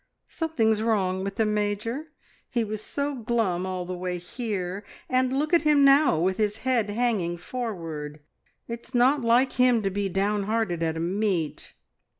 "Something's wrong with the Major. He was so glum all the way here, and look at him now with his head hanging forward! It's not like him to be down hearted at a meet."